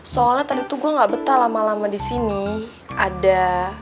soalnya tadi tuh gue gak betah lama lama di sini ada